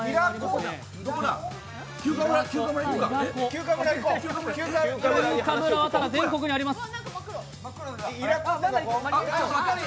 ただ、休暇村は全国にあります。